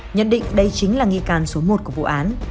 nhận định đây chính là nghi can số một của vụ án